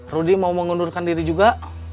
rudy mau mengundurkan diri juga